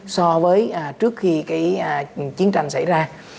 so với trước khi cái chiến tranh xảy ra